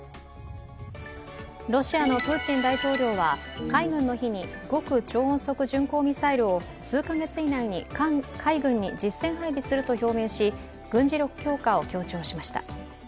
ロシアのプーチン大統領は海軍の日に極超音速巡航ミサイルを数カ月以内に海軍に実戦配備すると表明し、軍事力強化を強調しました。